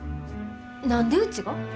何でうちが？